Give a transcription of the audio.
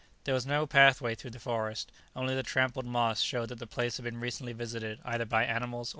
There was no pathway through the forest, only the trampled moss showed that the place had been recently visited either by animals or men.